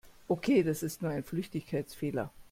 Okay, das ist nur ein Flüchtigkeitsfehler.